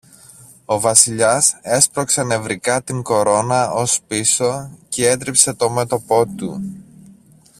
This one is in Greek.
Ο Βασιλιάς έσπρωξε νευρικά την κορώνα ως πίσω κι έτριψε το μέτωπο του